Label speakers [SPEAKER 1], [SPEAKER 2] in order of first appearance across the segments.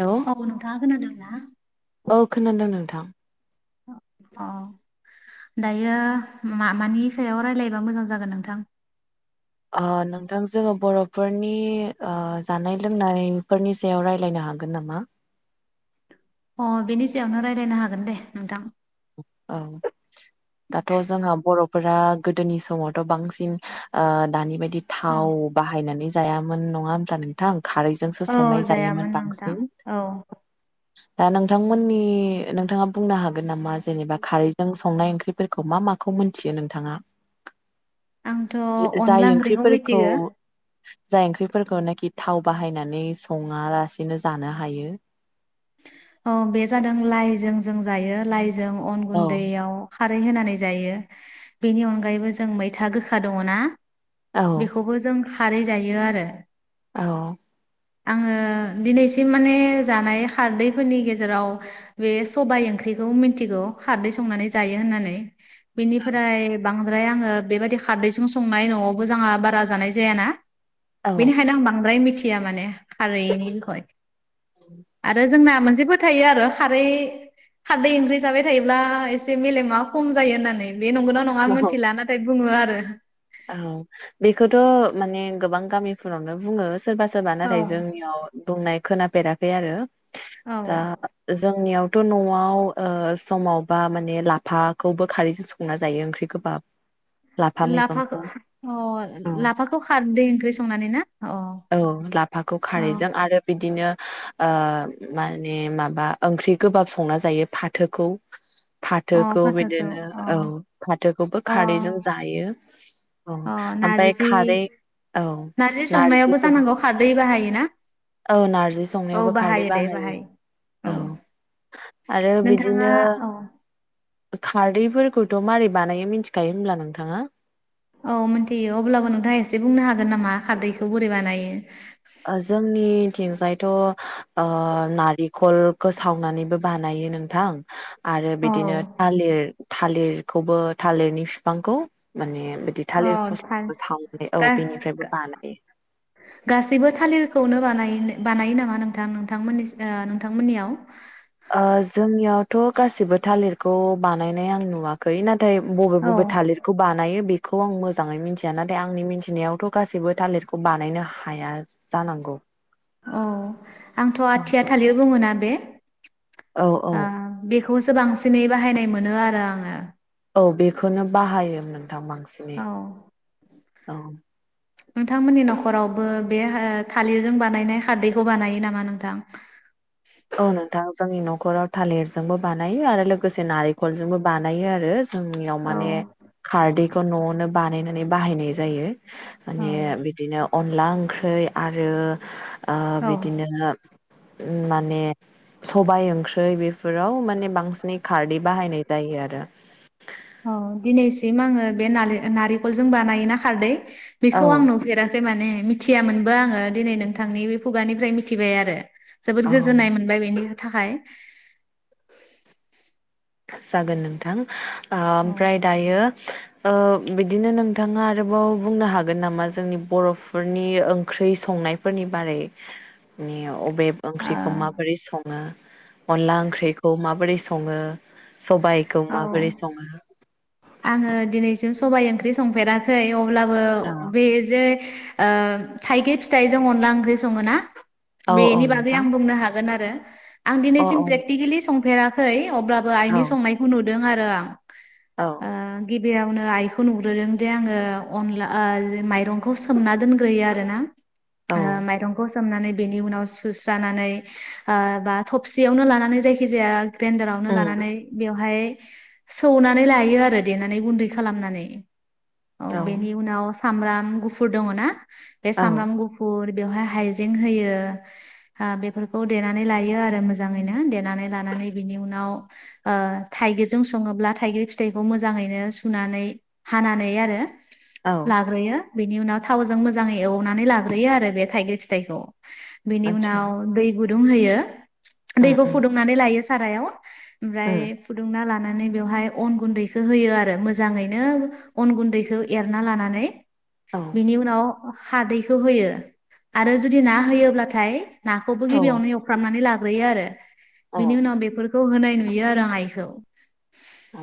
[SPEAKER 1] Hello
[SPEAKER 2] औ नोंथाङा खोनादों ना?
[SPEAKER 1] औ खोनादों नों नोंथां
[SPEAKER 2] अ दायो माबानि सायाव रायलायबा मोजां जागोन नोंथां
[SPEAKER 1] अ नोंथां जोङो बरफोरनि ओ जानाय लोंनायफोरनि सायाव राय लायनो हागोन नामा?
[SPEAKER 2] अ बेनि सायावनो रायलायनो हागोन दे नोंथां
[SPEAKER 1] औ दाथ जोंहा बर फोरा गोदोनि समावथ बांसिन ओ दानि बाय बिदि
[SPEAKER 2] औ
[SPEAKER 1] थाव बाहायनानै जायामोन नङा होमब्ला नोंथां? खारैजोंसो
[SPEAKER 2] औ
[SPEAKER 1] संनाय जायोमोन
[SPEAKER 2] जायामोन नोंथां
[SPEAKER 1] बांसिन
[SPEAKER 2] औ
[SPEAKER 1] दा नोंथांमोननि नोंथाङा बुंनो हागोन नामा? जेनेबा खारै जों संनाय ओंख्रिफोरखौ मा माखौ मोन्थियो नोंथाङा?
[SPEAKER 2] आंथ
[SPEAKER 1] जाय
[SPEAKER 2] अनला ओंख्रिखौ
[SPEAKER 1] ओंख्रिफोरखौ
[SPEAKER 2] मिथिगो
[SPEAKER 1] जाय ओंख्रिफोरखौ नाखि थाव बाहायनानै सङालासिनो जानो हायो
[SPEAKER 2] औ बे जादों लाइजों जों जायो लाइ जों अन
[SPEAKER 1] औ
[SPEAKER 2] गुन्दैयाव खारै होनानै जायो बेनि अनगायैबो जों मैथा गोखा दङ ना?
[SPEAKER 1] औ
[SPEAKER 2] बेखौबो जों खारै जायो आरो
[SPEAKER 1] औ
[SPEAKER 2] आङो दिनैसिम माने जानाय खारदैफोरनि गेजेराव बे सबाय ओंख्रिखौ मिन्थिगौ खारदै संनानै जायो होननानै बिनिफ्राय बांद्राय आङो बेबायदि खारदैजों संनाय नआवबो जोंहा बारा जानाय जायाना
[SPEAKER 1] औ
[SPEAKER 2] बेनिखायनो आं बांद्राय मिथि या माने खारैनि बिखय आरो जोंना मोनसेबो थायो आरो खारै खारदै ओंख्रि जाबाय थायोब्ला एसे मेलेमा खम जायो होननानै बे नंगौना नङा मिथिला नाथाय बुङो आरो
[SPEAKER 1] औ बेखौथ माने गोबां गामिफोरावनो बुङो सोरबा सोरबा
[SPEAKER 2] औ
[SPEAKER 1] नाथाय जोंनियाव दंनाय खोनाफेराखै आरो
[SPEAKER 2] औ
[SPEAKER 1] दा जोंनियाव थ' न'आव ओ समावबा माने लाफाखौबो खारैजों संना जायो ओंख्रि गोबाब। लाफा मैगं
[SPEAKER 2] लाफाखौ अ लाफाखौ खारदै ओंख्रि संनानै ना अ
[SPEAKER 1] औ लाफाखौ
[SPEAKER 2] औ
[SPEAKER 1] खारैजों आरो बि दिनो ओ माने माबा ओंख्रि गोबाब संना जायो फाथोखौ।
[SPEAKER 2] अ
[SPEAKER 1] फाथोखौ
[SPEAKER 2] फाथोखौ
[SPEAKER 1] बिदिनो
[SPEAKER 2] अ
[SPEAKER 1] औ फाथोखौबो
[SPEAKER 2] अ
[SPEAKER 1] खारैजों जायो। औ
[SPEAKER 2] अ
[SPEAKER 1] ओमफ्राय
[SPEAKER 2] नारजि
[SPEAKER 1] खारै औ नारजि
[SPEAKER 2] जानांगौ खारदै बाहायो ना
[SPEAKER 1] नारजि
[SPEAKER 2] औ
[SPEAKER 1] संनायावबो खारदै
[SPEAKER 2] बाहायो दे बाहायो औ
[SPEAKER 1] आरो
[SPEAKER 2] नोंथाङा
[SPEAKER 1] बिदिनो
[SPEAKER 2] औ
[SPEAKER 1] खारदैफोरखौथ' मारै बानायो मिथिखायो होमब्ला नोंथाङा
[SPEAKER 2] औ मिथियो अब्लाबो नोंथाङा एसे बुंनो हागोन नामा खारदैखौ बोरै बानायो?
[SPEAKER 1] ओ जोंनिथिंजायथ' ओ नारिखल खो सावनानैबो बानायो नोंथां आरो
[SPEAKER 2] औ
[SPEAKER 1] बिदिनो थालिर थालिरखौबो थालिरनि फिफांखौ माने बिदि
[SPEAKER 2] अ
[SPEAKER 1] थालिर फस्ला सावनानै औ बेनिफ्रायबो बानायो।
[SPEAKER 2] खौनो बानायो बानायो नामा नोंथां नोंथांनिसि ओ नोंथांमोननियाव
[SPEAKER 1] ओ जोंनियाव थ' गासिबो थालिरखौ बानायनाय आं नुवाखै ना थाय बबे
[SPEAKER 2] औ
[SPEAKER 1] बबे थालिरखौ बानायो बे खौ आं मोजाङै मिथिया नाथाय आंनि मिथिनायावथ' गासैबो थालिरखौ बानायनो हाया जानांगौ।
[SPEAKER 2] औ आंथ' आथिया थालिर बुङोना बे
[SPEAKER 1] औ औ
[SPEAKER 2] आ बे खौसो बांसिनै बाहायनाय मोनो आरो आङो।
[SPEAKER 1] औ बेखौनो बाहायोमोन थां बांसिनै
[SPEAKER 2] औ
[SPEAKER 1] औ
[SPEAKER 2] नोंथांमोननि न'खरावबो बे हो थालिरजों बानायनाय खारदैखौ बानायो नामा नोंथां?
[SPEAKER 1] औ नोंथां जोंनि न' खराव थालिरजोंबो बानायो आरो लोगोसे नारेखलजोंबो बानायो आरो। जोंनियाव
[SPEAKER 2] औ
[SPEAKER 1] माने खारदै खौ न'आवनो बानायनानै बाहायनाय जायो
[SPEAKER 2] औ
[SPEAKER 1] माने बिदिनो अ अनला ओंख्रै आरो ओ
[SPEAKER 2] औ
[SPEAKER 1] बिदिनो [unintelligible] माने सबाय ओंख्रै बेफोराव माने बांसिनै खारदै बाहायनाय जायो आरो
[SPEAKER 2] अ दिनैसिम आङो बे नारे नारेंखलजों बानायोना खारदै
[SPEAKER 1] औ
[SPEAKER 2] बेखौ आं नुफेराखै माने मिथियामोनबो आङो दिनै नोंथांनि बे खुगानिफ्राय मिथिबाय आरो
[SPEAKER 1] औ
[SPEAKER 2] जोबोद गोजोननाय मोनबाय बेनि थाखाय
[SPEAKER 1] जागोन नोंथां ओ
[SPEAKER 2] औ
[SPEAKER 1] ओमफ्राय दायो बिदिनो नोंथाङा आरोबाव बुंनो हागोन नामा जोंनि बर'फोरनि ओंख्रि संनायफोरनि बारै अबे
[SPEAKER 2] ओ
[SPEAKER 1] ओंख्रिखौ माबोरै संङो [unintelligible] अनला ओंख्रिखौ माबोरै संङो सबायाइखौ
[SPEAKER 2] औ
[SPEAKER 1] माबोरै संङो
[SPEAKER 2] सबबाय ओंख्रि संफेराखै अब्लाबो अब्लाबो बे जे थाइगिर फिथाइजों अनला ओंख्रि संङो ना
[SPEAKER 1] औ औ
[SPEAKER 2] बेनि बागै
[SPEAKER 1] नोंथां
[SPEAKER 2] आं बुंनो हागोन आरो आं
[SPEAKER 1] अ
[SPEAKER 2] दिनैसिम
[SPEAKER 1] औ
[SPEAKER 2] प्रेक्टिकेलि सं फेराखै अब्लाबो
[SPEAKER 1] औ
[SPEAKER 2] आइनि नुदों आरो आं
[SPEAKER 1] औ
[SPEAKER 2] आ गिबियावावनो आइखौ नुग्रोदों दे आंङो अनला माइरंखौ सोमना दोनग्रोयो आरोना
[SPEAKER 1] औ
[SPEAKER 2] माइरंखौ सोमनानै बेनि उनाव सुस्रानानै बा थबसियावनो लानानै जायखिजाया [unintelligible]
[SPEAKER 1] उम
[SPEAKER 2] लानानै बेवहाय सौनानै लायो आरो देनानै गुन्दै खालामनानै औ बेनि उनाव सामब्राम गुफुर दंङ ना बे सामब्राम गुफुर बेवहाय हाइजें होयो बेफोरखौ देनानै लायो आरो मोजांङैनो देनानै लानानै बिनि उनाव ओ थाइगिरजों संङोब्ला थाइगिर फिथाइखौ मोजाङैनो सुनानै हानानै आरो
[SPEAKER 1] औ औ
[SPEAKER 2] लाग्रोयो बेनि उनाव थावजों मोजाङै एवनानै लाग्रोयो आरो बे थाइगिर फिथाइखौ बेनि
[SPEAKER 1] आदसा
[SPEAKER 2] उनाव दै गुदुं गुदुं होयो
[SPEAKER 1] उम
[SPEAKER 2] दैखौ
[SPEAKER 1] उम
[SPEAKER 2] फुदुंनानै लायो सारायाव ओमफ्राय
[SPEAKER 1] उम
[SPEAKER 2] फुदुंना लाना लानानै बेवहाय अन गुन्दैखौ होयो आरो मोजांङैनो अन गुन्दैखौ एरना लानानै
[SPEAKER 1] औ
[SPEAKER 2] बिनि उनाव खादैखौ होयो आरो जुदि ना होयोब्लाथाय नाखौबो
[SPEAKER 1] औ
[SPEAKER 2] गिबियावनो एवफ्रामनानै लाग्रो आरो
[SPEAKER 1] औ
[SPEAKER 2] बिनि उनाव बेफोरखौ होनायनि नुयो आरो आइखौ
[SPEAKER 1] औ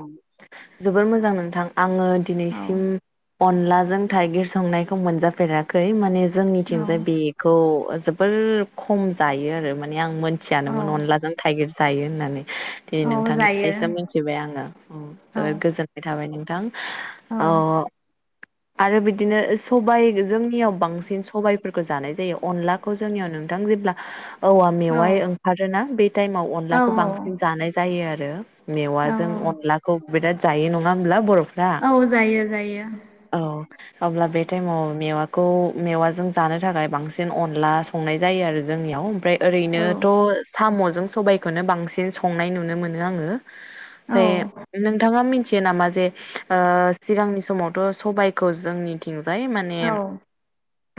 [SPEAKER 1] जोबोर मोजां नोंथांं आङो
[SPEAKER 2] औ
[SPEAKER 1] दिनैसिम अनलाजों थाइगिर संनायखौ मोनजाफेराखै माने
[SPEAKER 2] औ
[SPEAKER 1] जोंनिथिंजाय बेखौ जोबोर खम जायो आरो माने आं
[SPEAKER 2] औ
[SPEAKER 1] मोनथियानोमोन अनलाजों थाइगिर जायो होननानै। दिनै
[SPEAKER 2] औ जायो
[SPEAKER 1] नोंथांनिफ्राइसो मिथिबाय आं
[SPEAKER 2] औ
[SPEAKER 1] जोबोद गोजोननाय थाबाय नोंथां
[SPEAKER 2] औ
[SPEAKER 1] अ आरो बिदिनो सबायाइ जोंनियाव बांसिन सबायाइफोरखौ जानाय जायो अनलाखौ जोंनियाव नोंथां जेब्ला औवा
[SPEAKER 2] औ
[SPEAKER 1] मेवाइ ओंखारोना बे टाइमाव
[SPEAKER 2] औ
[SPEAKER 1] अनलाखौ बांसिन जानाय जायो आरो आरो मेवाजों
[SPEAKER 2] औ
[SPEAKER 1] अनलाखौ बिराद जायो नङा होब्ला बर'
[SPEAKER 2] औ जायो जायो
[SPEAKER 1] अब्ला बे टाइमाव मेवाखौ मेवाजों जानो थाखाय बांसिन अनला संनाय जायो आरो जोंनियाव ओमफ्राय
[SPEAKER 2] औ
[SPEAKER 1] ओरैनोथ' साम' सबायखौनो बांसिन संनाय नुनो मोन आङो
[SPEAKER 2] औ
[SPEAKER 1] ओमफ्राय नोंथाङा मिथि नामा जे ओ सिगांनि समावथ' सबबायखौ जोंनिथिं माने
[SPEAKER 2] औ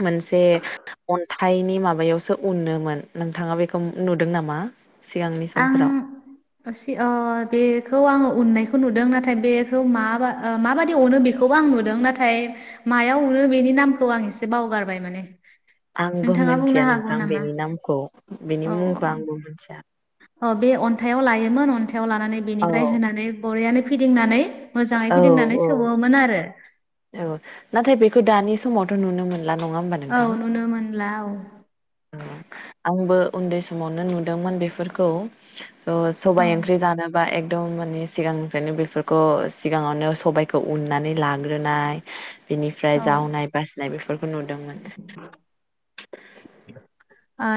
[SPEAKER 1] मोनसे अन्थाय थाइनि माबायावसो उनोमोन नोंथाङा बेखौ नुदों नामा? सिगांनि
[SPEAKER 2] आं
[SPEAKER 1] समफोराव
[SPEAKER 2] ओ बेखौ आङो उननायखौ नुदों नाथाय बेखौ मा माबादि उननो बेखौबो आं नुदों नाथाय मायाव उनो बेनि नामखौ आं एसे बावगारबाय माने।
[SPEAKER 1] आंबो
[SPEAKER 2] नोंथाङा बुंनो
[SPEAKER 1] मिथिया
[SPEAKER 2] हागौ
[SPEAKER 1] नोंथां
[SPEAKER 2] नामा
[SPEAKER 1] बेनि नामखौ बेनि
[SPEAKER 2] औ
[SPEAKER 1] मुंखौ आंबो मिथिया।
[SPEAKER 2] औ बे अन्थाइआव लायोमोन अन्थाइ आव लानानै
[SPEAKER 1] औ
[SPEAKER 2] बेनिफ्राय होनानै बरियानो फिदिंनानै मोजाङै
[SPEAKER 1] औ
[SPEAKER 2] फिदिंनानै
[SPEAKER 1] औ
[SPEAKER 2] सौवोमोन आरो।
[SPEAKER 1] औ नाथाय बेखौ दानि समावथ' नुनो मोन
[SPEAKER 2] औ नुनो मोनला औ।
[SPEAKER 1] आंबो उन्दै समावनो नुदोंमोन बेफोरखौ। औ
[SPEAKER 2] औ
[SPEAKER 1] सबाय ओंख्रि जानो बा एकदम माने सिगांनिफ्रायनो बेफोरखौ सिगाङावनो सबायखौ उननानै लाग्रोनाय बेनिफ्राय
[SPEAKER 2] औ
[SPEAKER 1] जावनाय बासिनाय बेफोरखौ नुदोंमोन।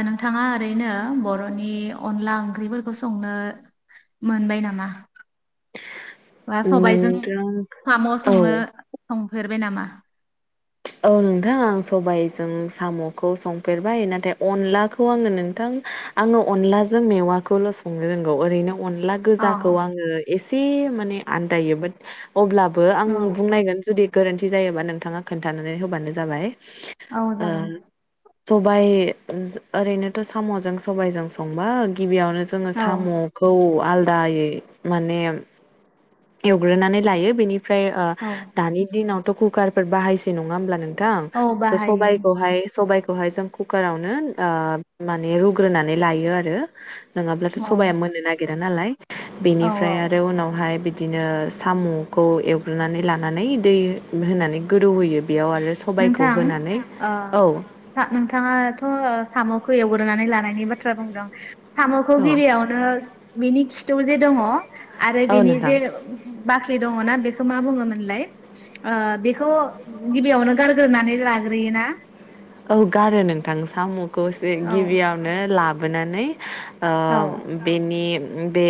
[SPEAKER 2] नोंथाङा ओरैनो बर'नि अनला ओंख्रिफोरखौ संनो मोनबाय नामा? बा सबायजों
[SPEAKER 1] नोंथां
[SPEAKER 2] साम'
[SPEAKER 1] औ
[SPEAKER 2] संनो संफेर बाय नामा?
[SPEAKER 1] औ नोंथां आं सबायजों साम'खौ संफेरबाय नाथाय अनलाखौ आङो नोंथां आङो अनलाजों मेवाखौल' संनो रोंगौ ओरैनो अनला
[SPEAKER 2] औ
[SPEAKER 1] गोजाखौ आङो एसे माने आनदायो बाट अब्लाबो आं
[SPEAKER 2] औ
[SPEAKER 1] बुंनायगोन जुदि गोरोन्थि जायोबा नोंथाङा खोन्थानानै होबानो जाबाय।
[SPEAKER 2] औ जागोन।
[SPEAKER 1] सबायाइ ओरैनोथ' साम'जों सबाइजों संबा गिबियावनो जोङो
[SPEAKER 2] औ
[SPEAKER 1] साम'खौ आलदायै माने एवग्रोनानै लायो बेनि फ्राय ओ
[SPEAKER 2] औ
[SPEAKER 1] दानि दिनाव कुकारफोर बाहायसै नंङा होमब्ला नोंथां
[SPEAKER 2] औ बाहायो
[SPEAKER 1] सबायखौ हाय सबाय बेहाय जों कुकारआवनो माने रुग्रोनानै लायो आरो। नङाब्लाथ'
[SPEAKER 2] औ
[SPEAKER 1] सबाया मोननो नागिरा नालाय
[SPEAKER 2] औ
[SPEAKER 1] बेनिफ्राय
[SPEAKER 2] औ
[SPEAKER 1] आरो उनावहाय बि दिनो साम'खौ एवग्रोनानै लानानै दै होनानै गोदौ होयो।
[SPEAKER 2] नोंथां ओ
[SPEAKER 1] औ
[SPEAKER 2] नोंथाङाथ' साम'। खौ एवग्रोनानै लानायनि बाथ्रा बुंदों। साम'खौ
[SPEAKER 1] औ
[SPEAKER 2] गिबियावनो। बिनि खिथौ जे दंङ। आरो
[SPEAKER 1] औ
[SPEAKER 2] बेनि जे
[SPEAKER 1] नोंथां
[SPEAKER 2] बाख्रि दङना बेखौ मा बुङोमोनलाय बेखौ गिबियावनो। गारग्रोनानै लाग्रोयो ना।
[SPEAKER 1] औ गारो नोंथां सामु खौ
[SPEAKER 2] औ
[SPEAKER 1] गिबियावनो लाब लाबोनानै
[SPEAKER 2] औ
[SPEAKER 1] ओ बेनि उम बे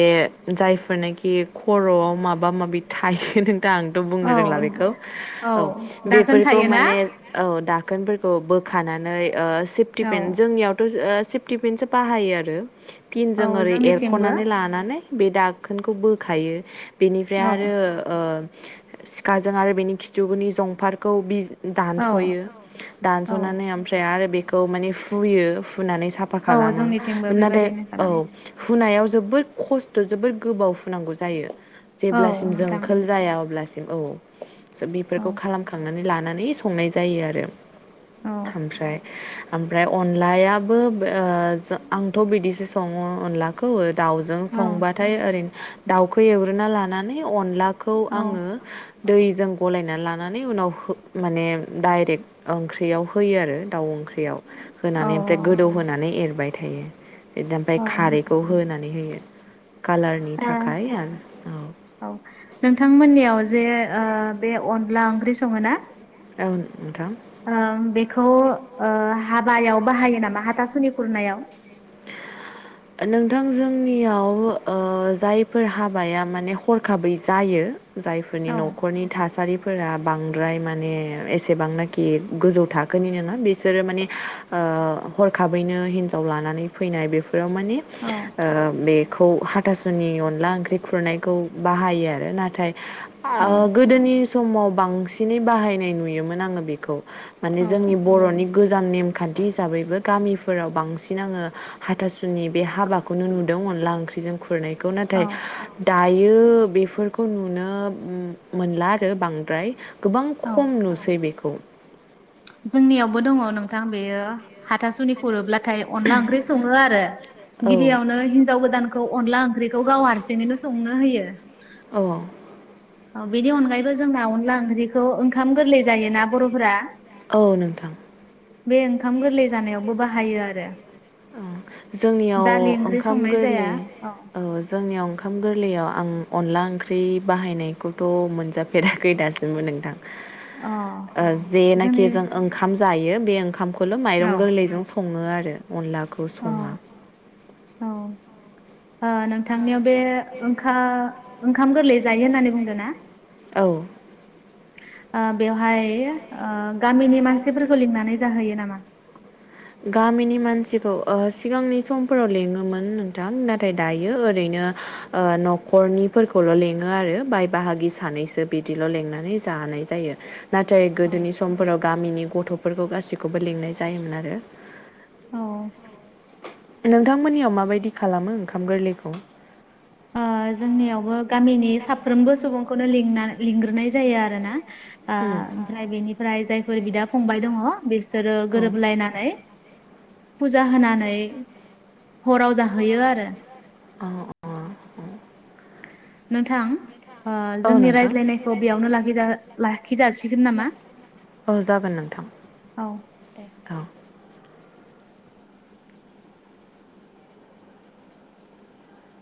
[SPEAKER 1] जायफोर नाखि खर'आव माबा माबि थायो नों दा आंथ'
[SPEAKER 2] औ
[SPEAKER 1] बुंनो रोंला बेखौ औ
[SPEAKER 2] दाखोन
[SPEAKER 1] बेफोरखौ
[SPEAKER 2] थायोना
[SPEAKER 1] माने औ दा दाखोनफोरखौ बो खानानै ओ सेफ्टि
[SPEAKER 2] औ
[SPEAKER 1] पेन जोंनियावथ' ओ सेफ्टिफेन्सो बाहायो आरो
[SPEAKER 2] औ
[SPEAKER 1] फिनजों ओरै
[SPEAKER 2] जोंनिथिंबो
[SPEAKER 1] एरख'नानै लानानै बे दाखोनखौ बोखायो बेनिफ्राय
[SPEAKER 2] औ
[SPEAKER 1] आरो ओ। सिखाजों आरो बेनि खिथुनि जंफारखौ बि
[SPEAKER 2] औ
[SPEAKER 1] दडान्सयो दान्स
[SPEAKER 2] औ
[SPEAKER 1] ओमफ्राय आरो बेखौ माने फुयो। हुनानै साफा
[SPEAKER 2] औ
[SPEAKER 1] खालामो
[SPEAKER 2] जोंनिथिंबो
[SPEAKER 1] नाथाय
[SPEAKER 2] बेबादिनो
[SPEAKER 1] औ
[SPEAKER 2] खालामो
[SPEAKER 1] हुनायाव जोबोर खस्थ' जोबोर गोबाव फुनांगौ जायो
[SPEAKER 2] औ
[SPEAKER 1] जेब्लासिम
[SPEAKER 2] नोंथां
[SPEAKER 1] जोंखोल जाया अब्लासिम औ।
[SPEAKER 2] औ
[SPEAKER 1] बेफोरखौ खालामखांनानै लानो नानै संनाय जायो आरो।
[SPEAKER 2] औ
[SPEAKER 1] ओमफ्राय ओमफ्राय अनलायाबो ओ जा आंथ' बिदिसो सङो अनलाखौ दाउजों
[SPEAKER 2] औ
[SPEAKER 1] संबाथाय ओरै दाउखौ एवग्रोना ला नानेब अनलाखौ
[SPEAKER 2] औ
[SPEAKER 1] आङो दैजों गलायना ला नानै उनाव होब माने डाइरेख ओंख्र बेयाव होयो आरो दाउ ओंख ख्रियाव
[SPEAKER 2] औ
[SPEAKER 1] होनानै ओमफ्राय गोदौ होनानै एर होबाय थायो। बि दा ओमफ्राय
[SPEAKER 2] औ
[SPEAKER 1] खारैखौ होनानै होयो। [inaudible]
[SPEAKER 2] ओ
[SPEAKER 1] थाखाय आरो
[SPEAKER 2] औ नोंथांमोननियाव जे ओ बे अनला ओंख्रि सङो ना?
[SPEAKER 1] ओं नोंथां।
[SPEAKER 2] खौ ओ हाबायाव बाहायो नामा हाथासुनि खुरनायाव?
[SPEAKER 1] नोंथां जोंनियाव ओ जायफोर हाबाया माने हरखाबै जायो। जायफोरनि
[SPEAKER 2] औ
[SPEAKER 1] न'खरनि थासारिफोरा बांद्राय माने एसेबांनाखि गोजौ थाखोनि नोङा बिसोरो माने ओ हरखाबैनो हिनजाव लानानै फैनाय बेफ फोराव माने
[SPEAKER 2] औ
[SPEAKER 1] ओ बे खौ हाथासुनि अनला ओंख्रि खुरनायखौ बाहायो आरो नाथाय
[SPEAKER 2] औ
[SPEAKER 1] ओ गोदोनि समाव बांसिनै बाहायनाय नुयोमोन आङो बेखौ। माने
[SPEAKER 2] औ
[SPEAKER 1] जोंनि बर'नि गोजाम नेम खान्थि हिसाबैबो गामिफोराव बांसिन आङो हाथासुनि बे हाबाखौनो नुदों अनला ओंख्रिजों खु खुरनायखौ
[SPEAKER 2] औ
[SPEAKER 1] नाथाय दायो बेफोरखौ नु नो मो मोनला आरो बांद्राय गोबां
[SPEAKER 2] औ
[SPEAKER 1] खम नुसै बेखौ
[SPEAKER 2] जोंनियावबो दङ नोंथां। बेयो हाथासुनि खुरोब्ला थाय अनला ओंख्रि सङो आरो
[SPEAKER 1] औ
[SPEAKER 2] गिबियावनो हिनजाव गोदान खौ अनला ओंख्रिखौ गाव हारसिंङैनो संनो होयो।
[SPEAKER 1] औ अ
[SPEAKER 2] औ बेदि अनगायैबो जोंहा अनला ओंख्रिखौ ओंखाम गोरलै जायोना बर'फोरा
[SPEAKER 1] औ नोंथां।
[SPEAKER 2] बे ओंखाम गोरलै जानायावबो बाहायो आरो
[SPEAKER 1] जोंनियाव
[SPEAKER 2] दालि ओंख्रि
[SPEAKER 1] ओंखाम
[SPEAKER 2] संनाय जाया
[SPEAKER 1] गोरलै
[SPEAKER 2] अ
[SPEAKER 1] औ जोंनियाव ओंखाम गोरलैयाव आं अनला ओंख्रि बाहायनायखौथ मोनजाफेराखै दासिमबो नोंथां। ओ
[SPEAKER 2] जोंनि
[SPEAKER 1] जेनाखि जों ओंखाम जायो बे ओंखाम खौल
[SPEAKER 2] औ
[SPEAKER 1] माइरं गोरलैजों सङो आरो। अनलाखौ
[SPEAKER 2] औ
[SPEAKER 1] सङा
[SPEAKER 2] औ ओ नोंथांनियाव बे ओंखा ओंखाम गोरलै जायो होननानै बुंदो ना?
[SPEAKER 1] औ
[SPEAKER 2] ओ बेवहाय ओ गामिनि मानसिफोरखौ लिंनानै जाहैयो नामा।
[SPEAKER 1] गामिनि मानसिखौ ओ सिगांनि समफोराव लिङोमोन नोंथां नाथाय दायो ओरैनो ओ न'खरनिफोरखौल' लिङो आरो बाय बाहागि सानैसो बिदिल' लिनानै जानाय जायो। नाथाय
[SPEAKER 2] औ
[SPEAKER 1] गोदोनि समफोराव गामिनि। गथ'फोरखौ गासैखौबो लिंनाय जायोमोन आरो।
[SPEAKER 2] औ।
[SPEAKER 1] नोंथांमोननियाव माबायदि खालामो ओंखाम गोरलैखौ।
[SPEAKER 2] ओ जोंनियावबो गामिनि साफ्रोमबो सुबुं। बेखौनो लिंना लिंग्रोनाय जायो आरो ना। ओ ओमफ्राय बेनिफ्राय जाय। फोर बिदा फंबाय दङ। बिसोरो
[SPEAKER 1] औ
[SPEAKER 2] गोरोबलायनानै। फुजा होनानै। हराव जाहैयो आरो।
[SPEAKER 1] आरो अ अ अ
[SPEAKER 2] नोंथां। ओ
[SPEAKER 1] औ
[SPEAKER 2] जोंनि
[SPEAKER 1] नोंथां
[SPEAKER 2] रायज्लायनायखौ बेयावनो लाखि लाखिजासिगोन नामा
[SPEAKER 1] औ जागोन नोंथां
[SPEAKER 2] औ दे।
[SPEAKER 1] औ